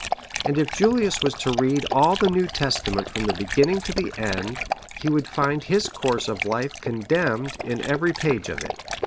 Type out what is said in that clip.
And yet, if Julius was to read all the New Testa ment from the beginning to the end, he would find his course of life condemned in every page of it.